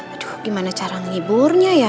aduh gimana cara ngeliburnya ya